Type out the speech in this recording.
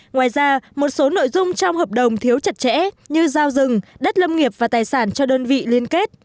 ngoài ra một số nội dung trong hợp đồng thiếu chặt chẽ như giao rừng đất lâm nghiệp và tài sản cho đơn vị liên kết